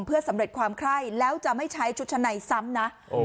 เพื่อสำเร็จความไคร้แล้วจะไม่ใช้ชุดชะในซ้ำนะ